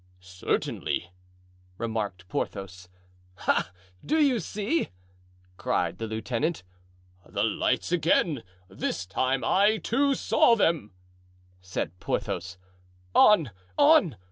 "Certainly," remarked Porthos. "Ah! do you see?" cried the lieutenant. "The lights again! this time I, too, saw them," said Porthos. "On! on!